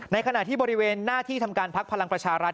ขณะที่บริเวณหน้าที่ทำการพักพลังประชารัฐ